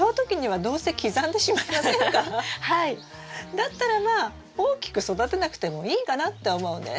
だったらば大きく育てなくてもいいかなって思うんです。